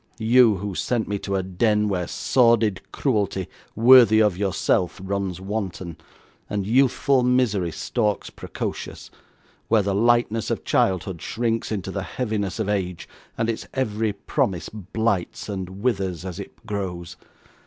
You, who sent me to a den where sordid cruelty, worthy of yourself, runs wanton, and youthful misery stalks precocious; where the lightness of childhood shrinks into the heaviness of age, and its every promise blights, and withers as it grows.